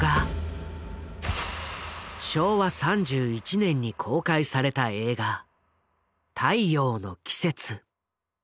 昭和３１年に公開された映画「太陽の季節」。